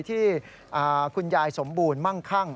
ที่คุณยายสมบูรณ์มั่งคั่ง